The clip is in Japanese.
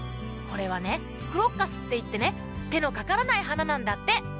これはね「クロッカス」っていってね手のかからない花なんだって。